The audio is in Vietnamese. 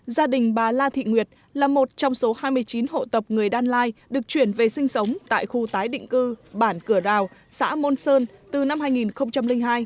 gia đình bà la thị nguyệt là một trong số hai mươi chín hộ tập người đan lai được chuyển về sinh sống tại khu tái định cư bản cửa rào xã môn sơn từ năm hai nghìn hai